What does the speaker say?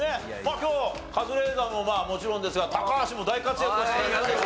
今日カズレーザーもまあもちろんですが高橋も大活躍しております